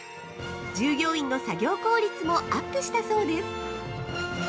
従業員の作業効率もアップしたそうです。